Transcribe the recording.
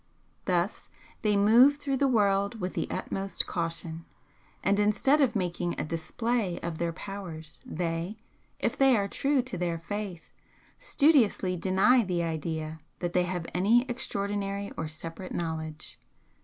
Thus they move through the world with the utmost caution, and instead of making a display of their powers they, if they are true to their faith, studiously deny the idea that they have any extraordinary or separate knowledge.